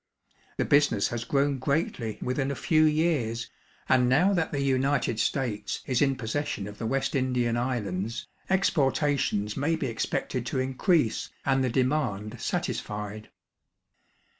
The business has grown greatly within a few years, and now that the United States is in possession of the West Indian islands, exportations may be expected to increase and the demand satisfied.